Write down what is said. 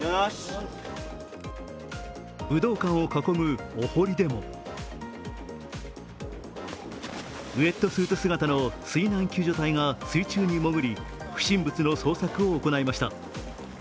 武道館を囲むお堀でもウェットスーツ姿の水難救助隊が水中に潜り不審物の捜索を行いました。